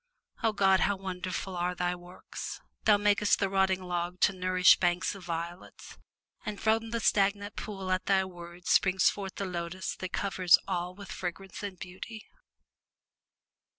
O God! how wonderful are Thy works! Thou makest the rotting log to nourish banks of violets, and from the stagnant pool at Thy word springs forth the lotus that covers all with fragrance and beauty!